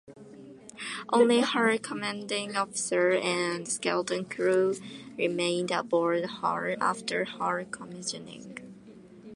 Only her commanding officer and skeleton crew remained aboard her after her commissioning.